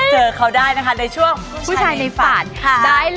เจอเขาได้นะคะในช่วงผู้ชายในฝันค่ะ